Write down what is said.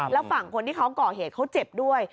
แล้วฝั่งคนที่เขาก่อเหตุเขาเจ็บด้วย